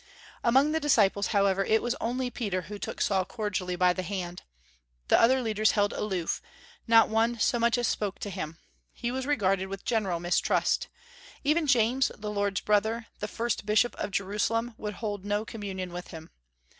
Among the disciples, however, it was only Peter who took Saul cordially by the hand. The other leaders held aloof; not one so much as spoke to him. He was regarded with general mistrust; even James, the Lord's brother, the first bishop of Jerusalem, would hold no communion with him.